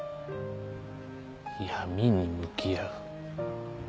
闇に向き合う？